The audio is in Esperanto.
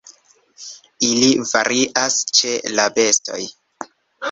Ili varias ĉe la bestoj.